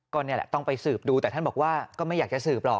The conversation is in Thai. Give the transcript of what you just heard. ก็เนี่ยแหละต้องไปเสิร์ฟดูแต่ท่านบอกว่าก็ไม่อยากจะเสิร์ฟหรอก